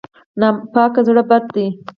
ناپاک زړه بد دی.